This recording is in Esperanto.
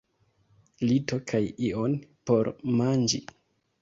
Lito kaj ion por manĝi.